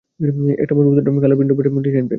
এটা মজবুত pant, colour pant, design pant.